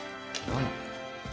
何？